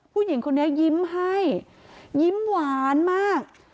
ผู้หญิงคนนี้ยิ้มให้ยิ้มหวานมาก